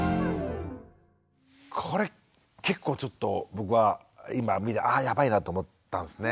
これ結構ちょっと僕は今見てあやばいなと思ったんですね。